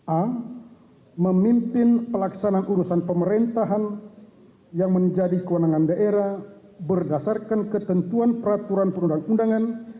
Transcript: a memimpin pelaksanaan urusan pemerintahan yang menjadi kewenangan daerah berdasarkan ketentuan peraturan perundang undangan